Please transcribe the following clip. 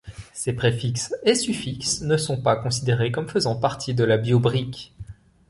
Ces préfixe et suffixe ne sont pas considérés comme faisant partie de la bio-brique.